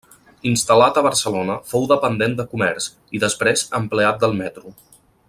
Instal·lat a Barcelona, fou dependent de comerç i, després, empleat del metro.